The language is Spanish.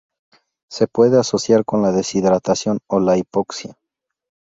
Se puede asociar con la deshidratación o la hipoxia.